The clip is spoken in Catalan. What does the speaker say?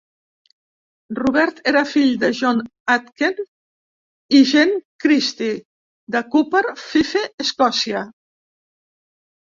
Robert era el fill de John Aitken i Jane Christie, de Cupar, Fife, Escòcia.